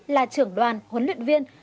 là trưởng đoàn huấn luyện viên